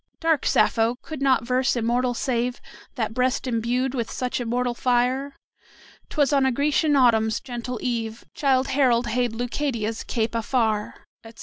Dark Sappho! could not verse immortal save That breast imbued with such immortal fire? "'Twas on a Grecian autumn's gentle eve Childe Harold hailed Leucadia's cape afar;" etc.